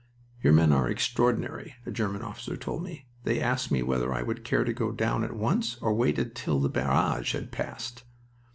"Your men are extraordinary," a German officer told me. "They asked me whether I would care to go down at once or wait till the barrage had passed."